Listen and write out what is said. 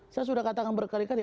saya sudah katakan berkali kali